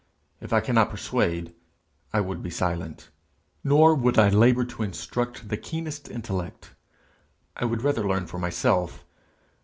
If I cannot persuade, I would be silent. Nor would I labour to instruct the keenest intellect; I would rather learn for myself.